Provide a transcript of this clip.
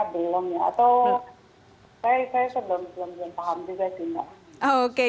belum ya atau saya belum paham juga sih mbak